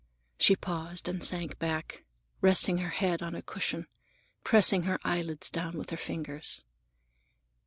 She paused and sank back, resting her head on a cushion, pressing her eyelids down with her fingers.